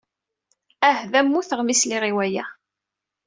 Ahda mmuteɣ mi sliɣ i waya.